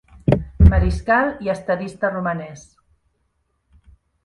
Mariscal i estadista romanès.